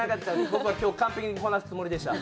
僕は今日完璧にこなすつもりでした。